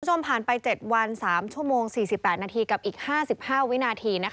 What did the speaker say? ผ่านไป๗วัน๓ชั่วโมง๔๘นาทีกับอีก๕๕วินาที